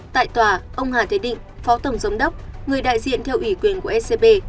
tại tòa ông hà thế định phó tổng giám đốc người đại diện theo ủy quyền của ecb